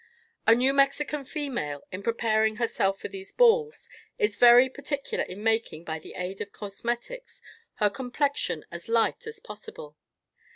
A New Mexican female, in preparing herself for these balls, is very particular in making, by the aid of cosmetics, her complexion as light as possible.